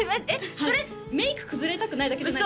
それメイク崩れたくないだけじゃないですか？